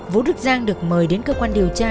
vũ đức giang được mời đến cơ quan điều tra